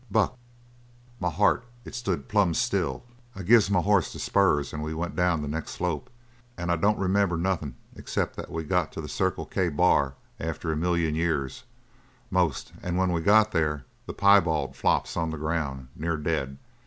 "Buck!" "My heart, it stood plumb still! I gives my hoss the spurs and we went down the next slope. And I don't remember nothin' except that we got to the Circle K Bar after a million years, 'most, and when we got there the piebald flops on the ground near dead.